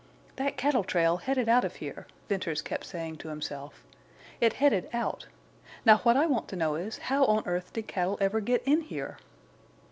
"That cattle trail headed out of here," Venters kept saying to himself. "It headed out. Now what I want to know is how on earth did cattle ever get in here?"